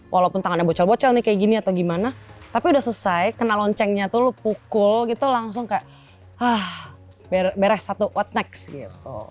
walaupun tangannya bocel bocel nih kayak gini atau gimana tapi udah selesai kena loncengnya tuh lu pukul gitu langsung kayak ah beres satu what s next